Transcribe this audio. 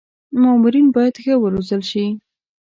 مامورین باید ښه و روزل شي.